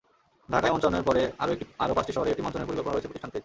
ঢাকায় মঞ্চায়নের পরে আরও পাঁচটি শহরে এটি মঞ্চায়নের পরিকল্পনা রয়েছে প্রতিষ্ঠানটির।